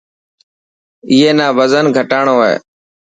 اي نا وزن گهٽاڻو هي.